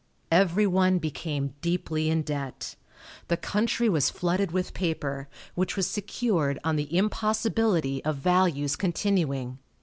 Everyone became deeply in debt. The country was flooded with paper, which was secured on the impossibility of values continuing.